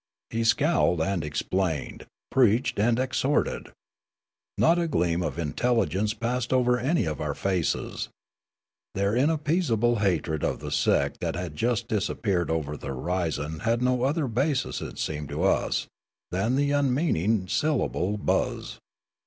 He scowled and explained, preached and exhorted. Not a gleam of intelligence passed over any of our faces. Their inappeasable hatred of the sect that had just dis appeared over the horizon had no other basis, it seemed to us, than the unmeaning syllable ' buzz.'